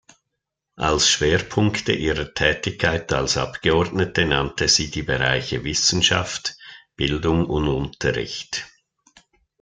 Als Schwerpunkte ihrer Tätigkeit als Abgeordnete nannte sie die Bereiche Wissenschaft, Bildung und Unterricht.